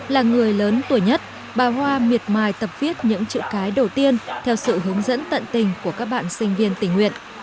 là người lớn tuổi nhất bà hoa miệt mài tập viết những chữ cái đầu tiên theo sự hướng dẫn tận tình của các bạn sinh viên tình nguyện